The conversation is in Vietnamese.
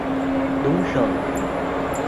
Đúng rồi